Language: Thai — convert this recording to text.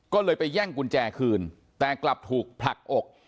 ก็เลยไปแย่งกุญแจคืนแต่กลับถูกผลักอก